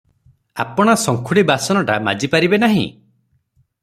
ଆପଣା ସଙ୍କୁଡ଼ି ବାସନଟା ମାଜି ପାରିବେ ନାହିଁ?